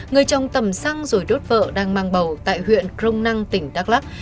người chồng tầm xăng rồi đốt vợ đang mang bầu tại huyện crong năng tỉnh đắk lắc